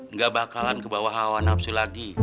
nggak bakalan kebawa hawa nafsu lagi